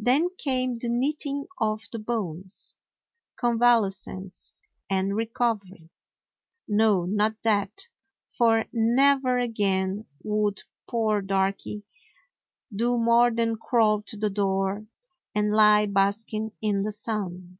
Then came the knitting of the bones, con valescence and recovery: no, not that, for never again would poor Darky do more than crawl to the door and lie basking in the sun.